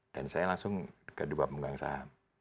dan saya langsung kedua pemegang saham